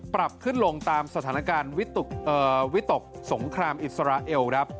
ปรับขึ้นลงตามสถานการณ์วิตกสงครามอิสราเอลครับ